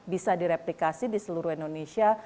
bisa direplikasi di seluruh indonesia